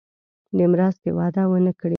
د مرستې وعده ونه کړي.